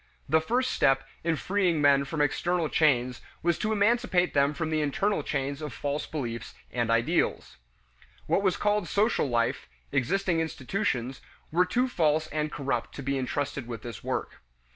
The first step in freeing men from external chains was to emancipate them from the internal chains of false beliefs and ideals. What was called social life, existing institutions, were too false and corrupt to be intrusted with this work.